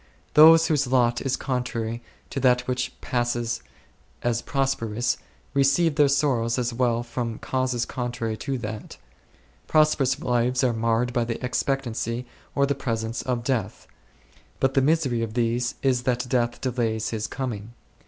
Those whose lot is contrary to that which passes as prosperous receive their sorrows as well from causes contrary to that. Prosperous lives are marred by the ex pectancy, or the presence, of death ; but the misery of these is that death delays his coming.